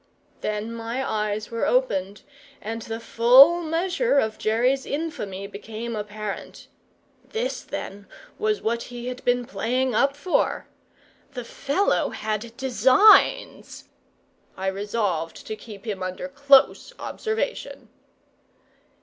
Then my eyes were opened, and the full measure of Jerry's infamy became apparent. This, then, was what he had been playing up for. The fellow had designs. I resolved to keep him under close observation.